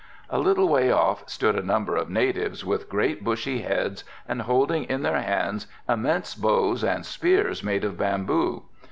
A little way off stood a number of natives with great bushy heads and holding in their hands immense bows and spears made of bamboo.